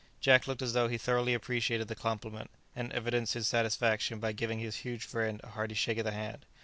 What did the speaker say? Jack looked as though he thoroughly appreciated the compliment, and evidenced his satisfaction by giving his huge friend a hearty shake of the hand.